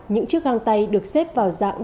những chiếc găng tay được xếp vào dạng